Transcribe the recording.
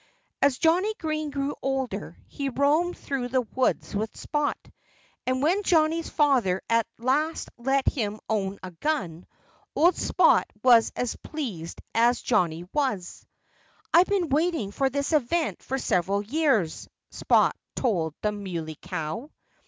As Johnnie Green grew older he roamed through the woods with Spot. And when Johnnie's father at last let him own a gun, old Spot was as pleased as Johnnie was. "I've been waiting for this event for several years," Spot told the Muley Cow.